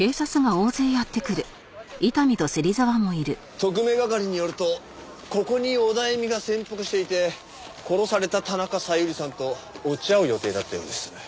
特命係によるとここにオダエミが潜伏していて殺された田中小百合さんと落ち合う予定だったようです。